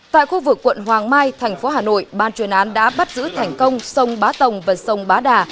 tại khu vực quận hoàng mai thành phố hà nội ban truyền án đã bắt giữ thành công sông bá tồng và sông bá đà